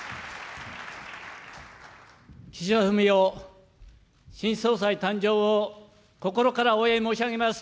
岸田文雄新総裁誕生を心からお祝い申し上げます。